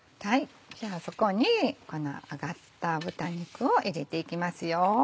じゃあそこにこの揚がった豚肉を入れていきますよ。